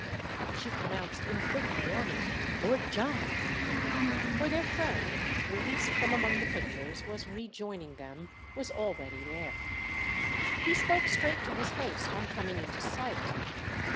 She pronounced in quick warning "Lord John!"—for their friend, released from among the pictures, was rejoining them, was already there. He spoke straight to his host on coming into sight.